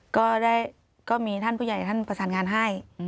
ก็มีท่านผู้ใหญ่ท่านประสานงานให้